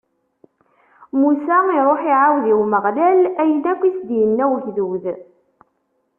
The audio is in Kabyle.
Musa iṛuḥ, iɛawed i Umeɣlal ayen akken i s-d-inna ugdud.